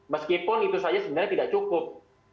meskipun itu saja sebenarnya tidak cukup